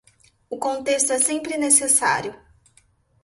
O contexto é sempre necessário.